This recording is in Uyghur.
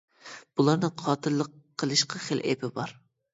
بۇلارنىڭ قاتىللىق قىلىشقا خېلى ئېپى بار.